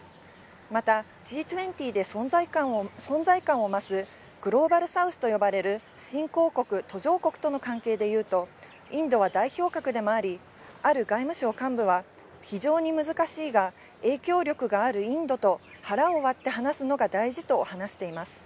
また、Ｇ２０で存在感を増すグローバルサウスと呼ばれる新興国、途上国との関係でいうと、インドは代表格でもあり、ある外務省幹部は、非常に難しいが、影響力があるインドと腹を割って話すのが大事と話しています。